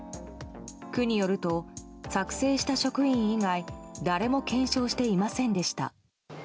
区によると、作成した職員以外誰も検証していませんでした。